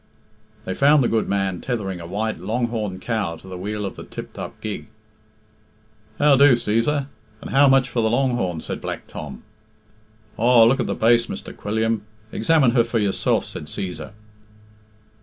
They found the good man tethering a white, long horned cow to the wheel of the tipped up gig. "How do, Cæsar? And how much for the long horn?" said Black Tom. "Aw, look at the base (beast), Mr. Quilliam. Examine her for yourself," said Cæsar.